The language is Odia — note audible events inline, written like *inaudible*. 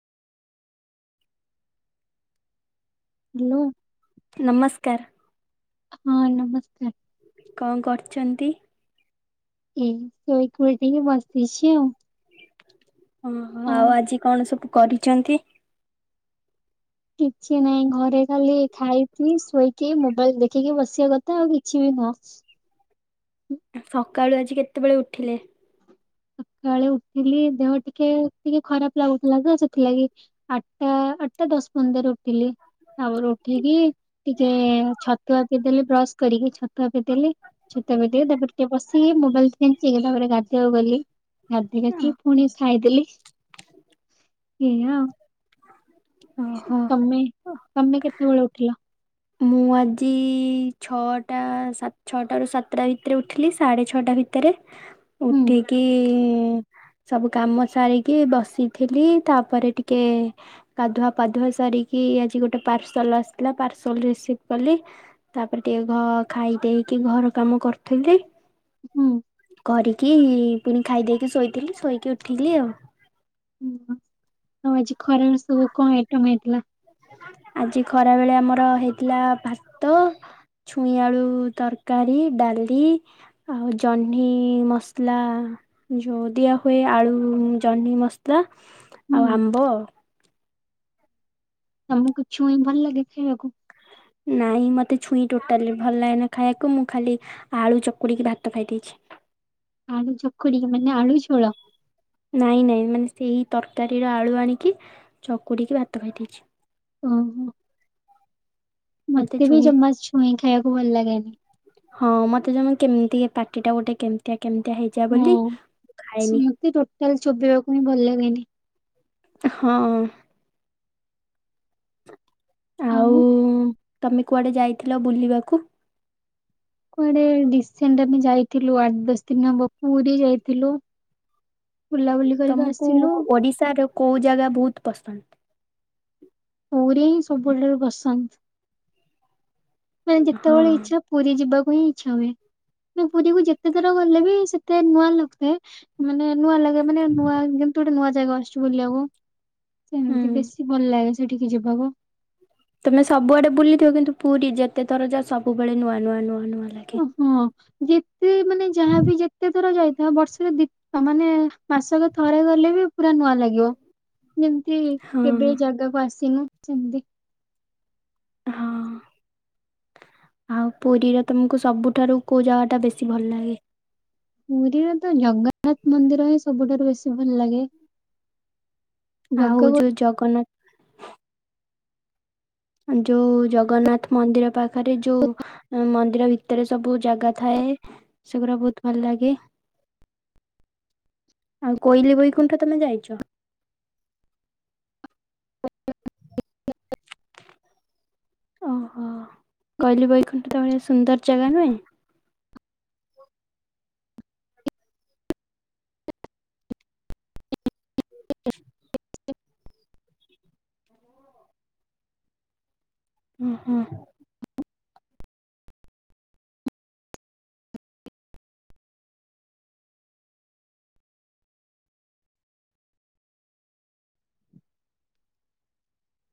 ହ୍ୟାଲୋ। ନମସ୍କାର। ହଁ ନମସ୍କାର। କଣ କରୁଚନ୍ତି? ଏଇ ଶୋଇକି ଉଠିକି ବସିଛି ଆଉ। ଓହୋ ଆଉ ଆଜି କଣ ସବୁ କରିଚନ୍ତି। କିଛି ନାଇଁ ଘରେ ଖାଲି ଖାଇ ପି ଶୋଇକି ମୋବାଇଲ୍ ଦେଖିକି ବସିବା କଥା ଆଉ କିଛି ବି ନୁହଁ। ସକାଳୁ ଆଜି କେତେବେଳେ ଉଠିଲେ? ସକାଳେ ଉଠିଲି ଦେହ ଟିକେ ଟିକେ ଖରାପ ଲାଗୁଥିଲା ତ ସେଥିଲାଗି ଆଟା ଆଟା ଦଶ ପନ୍ଦର ରେ ଉଠିଲି। ତାପରେ ଉଠିକି ଟିକେ ଛତୁଆ ପିଇଦେଲି ବ୍ରସ୍ କରିକି ଛତୁଆ ପିଇଦେଲି। ଛତୁଆ ପିଇ ଦେଇକି ତାପରେ ଟିକେ ବସିକି ମୋବାଇଲ୍ କେଞ୍ଚିଲି ତାପରେ ଗାଧେଇଆ କୁ ଗଲି। ଗାଧେଇକି ଆସି ପୁଣି ଖାଇଦେଲି ଏଇ ଏୟା ଆଉ। ଓହୋ ତମେ ତମେ କେତେବେଳେ ଉଠିଲ? ମୁଁ ଆଜି ଛଅଟା ସା ଛଅଟାରୁ ସାତଟା ଭିତରେ ଉଠିଲି ସାଢ଼େ ଛଅଟା ରେ ଭିତରେ ହୁଁ ଉଠିକି ସବୁ କାମ ସାରିକି ବସିଥିଲି ତାପରେ ଟିକେ କାଧୁଆ ପାଧୁଆ ସାରିକି ଆଜି ଗୋଟେ ପାର୍ସଲ ଆସିଥିଲା ପାର୍ସଲ ରିସ୍ପି କଲି ତାପରେ ଟିକେ ଘ ଖାଇ ଦେଇକି ଘର କାମ କରୁଥିଲି। ହୁଁ କରିକି ପୁଣି ଖାଇଦେଇକି ଶୋଇଥିଲି ଶୋଇକି ଉଠିଲି ଆଉ। ଓହୋ ଆଉ ଆଜି ଖରଲେ ସବୁ କଣ ଆଇଟମ୍ ହେଇଥିଲା। ଆଜି ଖରାବେଳେ ଆମର ହେଇଥିଲା ଭାତ ଛୁଇଁ ଆଳୁ ତରକାରୀ ଡ଼ାଲି ଆଉ ଜହ୍ନି ମସଲା ଯୋଉ ଦିଆ ହୁଏ ଆଳୁ ଜହ୍ନି ମସଲା ହୁଁ ଆଉ ଆମ୍ବ ଆଉ। ତମକୁ ଛୁଇଁ ଭଲ ଲାଗେ ଖାଇବାକୁ? ନାଇଁ ମୋତେ ଛୁଇଁ ଟୋଟାଲି ଭଲ ଲାଗେନା ଖାଇବାକୁ ମୁଁ ଖାଲି ଆଳୁ ଚକୁଡ଼ିକି ଭାତ ଖାଇଦେଇଚି। ଆଳୁ ଚକୁଡି କି ମାନେ ଆଳୁ ଝୋଳ? ନାଇଁ ନାଇଁ ମାନେ ସେଇ ତରକାରୀର ଆଳୁ ଆଣିକି ଚକୁଡ଼ିକି ଭାତ ଖାଇ ଦେଇଛି। ଓହୋ ମତେ ବି ଜମା ଛୁଇଁ ଖାଇବାକୁ ଭଲ ଲାଗେନି। ହଁ ମତେ ଜମା କେମିତି ପାଟି ଟା ଗୋଟେ କେମିତିଆ କେମିତିଆ ହେଇ ହଁ ସେ ମତେ ଟୋଟାଲ ଚୋବେଇବାକୁ ହିଁ ଭଲ ଲାଗେନି। ହଁ। ଆଉ। ତମେ କୁଆଡେ ଯାଇଥିଲ ବୁଲିବାକୁ? କୁଆଡେ ଡିସେଣ୍ଡ ଆମେ ଯାଇଥିଲୁ ଆଠ ଦଶ ଦିନ ହେବ ପୁରୀ ଯାଇଥିଲୁ। ବୁଲାବୁଲି କରିକି ତମକୁ ଆସିଲୁ। ଓଡିଶା ର କୋଉ ଜାଗା ବହୁତ ପସନ୍ଦ? ପଉୀ ହିଁ ସବୁଲେ ବସନ୍ତ। ମାନେ ହଁ ଯେତେବେଳେ ଇଚ୍ଛା ପୁରୀ ଯିବାକୁ ହିଁ ଇଚ୍ଛା ହୁଏ ପୁରୀକୁ ଯେତେଥର ଗଲେ ବି ସେ ତେ ନୂଆ ଲୋକ୍ ଦିଏ ମାନେ ନୂଆ ଲାଗେ ମାନେ ନୂଆ ଯେମିତି ଗୋଟେ ନୂଆ ଜାଗା ଆସୁଛି ବୁଲିଆକୁ। ସେମିତି ହୁଁ। ବେଶୀ ଭଲ ଲାଗେ ସେଠିକି ଯିବାକୁ। ତମେ ସବୁଆଡେ ବୁଲିଥିବ କିନ୍ତୁ ପୁରୀ ଯେତେ ଥର ଯାଅ ସବୁବେଳେ ନୂଆ ନୂଆ ନୂଆ ନୂଆ ଲାଗେ। ହଁ ଯେତେ ମାନେ ଯାହା ବି ଯେତେ ଥର ଯାଇ ତା ବର୍ଷରେ ଦି ତା ମାନେ ମାସକ ଥରେ ଗଲେ ବି ପୁରା ନୂଆ ଲାଗିବ। ଯେମିତି ହଁ କେବେ ଏଇ ଜାଗାକୁ ଆସିନୁ ସେମିତି। ହଁ। ଆଉ ପୁରୀର ତମକୁ ସବୁଠାରୁ କୋଉ ଜାଗା ଟା ବେଶୀ ଭଲ ଲାଗେ? ପୁରୀର ତ ଜଗନ୍ନାଥ ମନ୍ଦିର ହିଁ ସବୁଠାରୁ ବେଶୀ ଭଲ ଲାଗେ। ଜଗାକୁ ଆଉ ଯୋଉ ଜଗନ୍ନା ଯୋଉ ଜଗନ୍ନାଥ ମନ୍ଦିର ପାଖରେ ଯୋଉ ମନ୍ଦିର ଭି ତରେ ସବୁ ଜାଗା ଥାଏ ସେଗୁଡା ବହୁତ ଭଲ ଲାଗେ। ଆଉ କୋଇଲିି ବୈକୁଣ୍ଠ ତମେ ଯାଇଛ? ଓହୋ, କୋଇଲି ବୈକୁଣ୍ଠ *unintelligible* ସୁନ୍ଦର ଜାଗା ନୁହେଁ? ହୁଁ ଓହୋ।